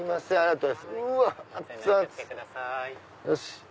よし！